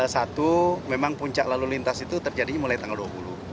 satu memang puncak lalu lintas itu terjadinya mulai tanggal dua puluh